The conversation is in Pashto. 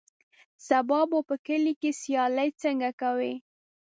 سبا به په کلي کې سیالۍ څنګه کوې.